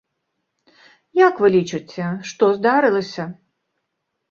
Як вы лічыце, што здарылася?